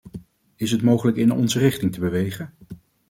Is het mogelijk in onze richting te bewegen?